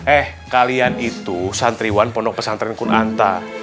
eh kalian itu santriwan ponok pesantren kun anta